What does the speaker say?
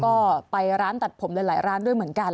ก็ไปร้านตัดผมหลายร้านด้วยเหมือนกัน